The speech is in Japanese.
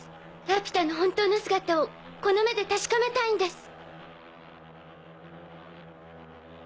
ラピュタの本当の姿をこの目で確かめたいんです。